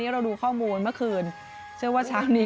เราดูข้อมูลเมื่อคืนเชื่อว่าเช้านี้